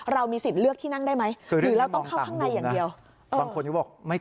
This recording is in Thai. เรามีสิทธิ์เลือกที่นั่งได้ไหม